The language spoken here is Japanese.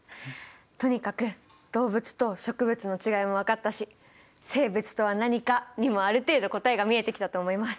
とにかく動物と植物のちがいも分かったし「生物とは何か」にもある程度答えが見えてきたと思います。